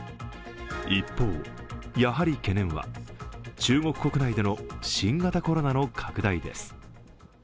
一方、やはり懸念は中国国内での新型コロナの拡大です。